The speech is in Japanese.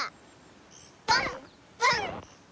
パンパン！